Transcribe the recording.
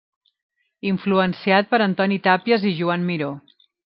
Influenciat per Antoni Tàpies i Joan Miró.